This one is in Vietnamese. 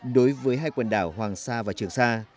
đối với hai quần đảo hoàng sa và trường sa